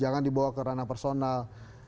jangan dibawa kerana personal